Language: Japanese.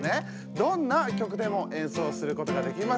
どんな曲でも演奏することができます。